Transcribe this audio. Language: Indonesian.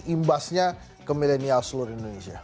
imbasnya ke milenial seluruh indonesia